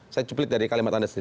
saya cuplit dari kalimat anda